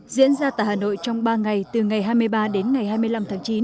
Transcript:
diễn ra tại hà nội trong ba ngày từ ngày hai mươi ba đến ngày hai mươi năm tháng chín